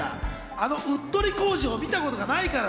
あのうっとり浩次を見たことがないから。